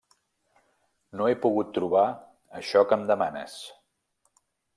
No he pogut trobar això que em demanes.